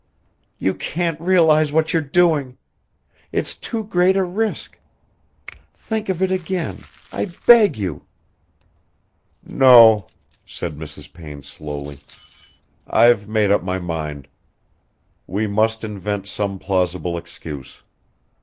"You can't realise what you're doing! It's too great a risk. Think of it again ... I beg you!" "No," said Mrs. Payne slowly. "I've made up my mind. We must invent some plausible excuse.